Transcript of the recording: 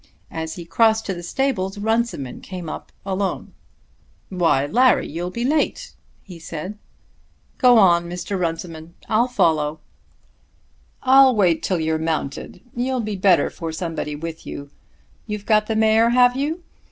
As he crossed to the stables Runciman came up alone. "Why, Larry, you'll be late," he said. "Go on, Mr. Runciman, I'll follow." "I'll wait till you are mounted. You'll be better for somebody with you. You've got the mare, have you?